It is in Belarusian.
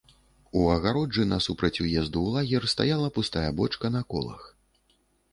У агароджы, насупраць уезду ў лагер, стаяла пустая бочка на колах.